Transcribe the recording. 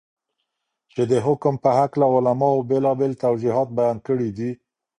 چې دحكم په هكله علماؤ بيلابيل توجيهات بيان كړي دي.